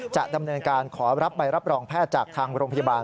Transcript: จะดำเนินการขอรับใบรับรองแพทย์จากทางโรงพยาบาล